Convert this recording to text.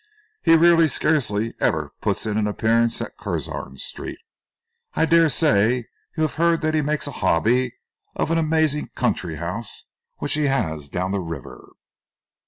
He really scarcely ever puts in an appearance at Curzon Street. I dare say you have heard that he makes a hobby of an amazing country house which he has down the river."